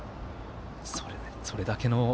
それだけの。